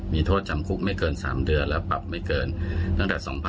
มีโทษจำคลุกไม่เกินสามเดือนและปรับไม่เกินตั้งแต่สองพันธุ์